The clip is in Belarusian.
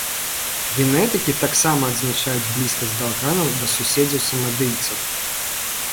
Генетыкі таксама адзначаюць блізкасць далганаў да суседзяў-самадыйцаў.